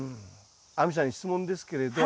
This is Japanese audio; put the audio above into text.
亜美さんに質問ですけれど。